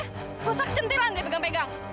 nggak usah kecentilan dia pegang pegang